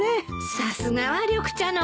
さすがは緑茶の王様ね。